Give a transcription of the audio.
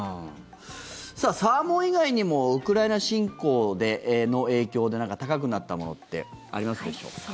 サーモン以外にもウクライナ侵攻での影響で何か高くなったものってありますでしょうか。